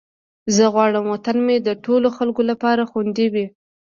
زه غواړم وطن مې د ټولو خلکو لپاره خوندي وي.